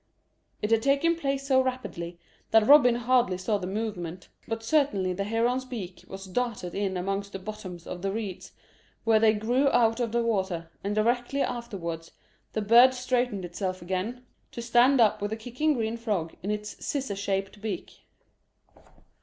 It had taken place so rapidly that Robin hardly saw the movement, but certainly the heron's beak was darted in amongst the bottoms of the reeds where they grew out of the water, and directly afterwards the bird straightened itself again, to stand up with a kicking green frog in its scissor shaped beak.